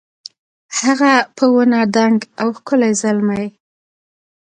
هغه په ونه دنګ او ښکلی زلمی